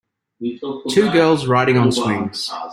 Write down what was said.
Two girls riding on swings.